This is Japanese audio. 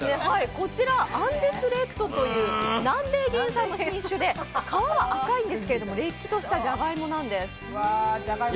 こちらアンデスレッドという南米原産の品種で、皮は赤いんですがれっきとしたじゃがいもなんです。